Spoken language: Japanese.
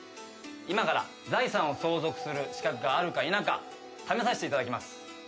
今から財産を相続する資格があるか否か試させていただきます。